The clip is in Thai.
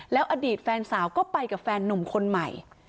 แล้วอดีตแฟนสาวก็ไปกับแฟนนุ่มคนใหม่